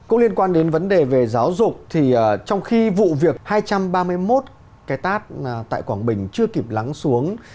cũng liên quan đến vấn đề về giáo dục thì trong khi vụ việc hai trăm ba mươi một cái tát tại quảng bình chưa kịp lắng xuống